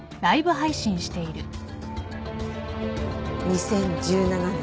２０１７年